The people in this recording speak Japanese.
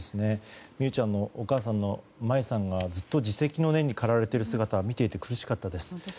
美羽ちゃんのお母さんの真由さんがずっと自責の念に駆られている姿は見ていて苦しかったです。